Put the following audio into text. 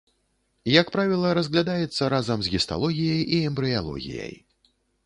Як правіла, разглядаецца разам з гісталогіяй і эмбрыялогіяй.